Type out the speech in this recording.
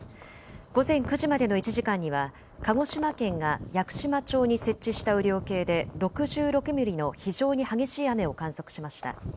午前９時までの１時間には鹿児島県が屋久島町に設置した雨量計で６６ミリの非常に激しい雨を観測しました。